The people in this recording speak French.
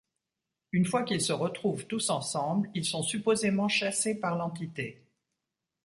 Une fois qu'ils se retrouvent tous ensemble, ils sont supposément chassés par l'entité.